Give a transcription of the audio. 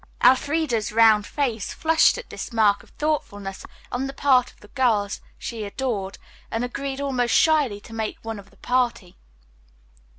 Elfreda's round face flushed at this mark of thoughtfulness on the part of the girls she adored, and agreed almost shyly to make one of the party.